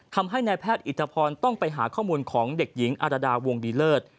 ทำให้นายแพทย์อิทธพรต้องไปหาข้อมูลของเด็กหญิงอารดาวงดีเลิศ